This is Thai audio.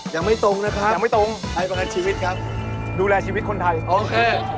ยังไม่ตรงนะครับยังไม่ตรงไทยประกันชีวิตครับดูแลชีวิตคนไทยโอเค